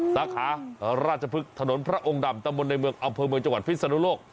สาขาราชพฤกษ์ถนนพระองค์ดำตะมนต์ในเมืองอำเภอเมืองจังหวัดพิศนุโลก